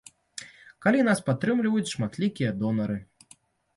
Калі нас падтрымліваюць шматлікія донары.